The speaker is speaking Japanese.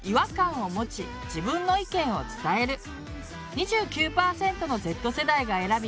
２９％のＺ世代が選び